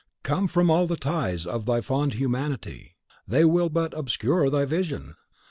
Come from all the ties of thy fond humanity; they will but obscure thy vision!